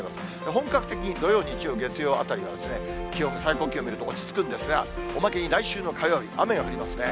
本格的に土曜、日曜、月曜あたりは、最高気温見ると落ち着くんですが、おまけに来週の火曜日、雨が降りますね。